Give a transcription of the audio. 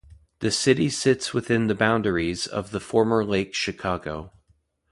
The city sits within the boundaries of the former Lake Chicago.